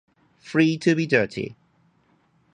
Free to Be Dirty!